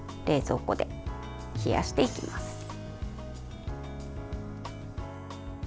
冷蔵庫で冷やしていきます。